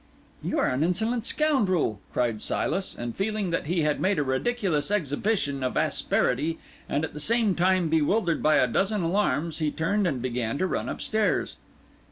"You are an insolent scoundrel," cried Silas, and, feeling that he had made a ridiculous exhibition of asperity, and at the same time bewildered by a dozen alarms, he turned and began to run upstairs.